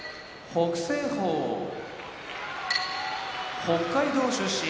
北青鵬北海道出身